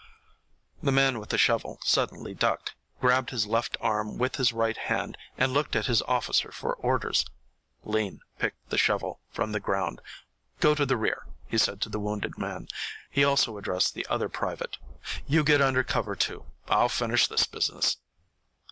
The man with the shovel suddenly ducked, grabbed his left arm with his right hand, and looked at his officer for orders. Lean picked the shovel from the ground. "Go to the rear," he said to the wounded man. He also addressed the other private. "You get under cover, too; I'll finish this business."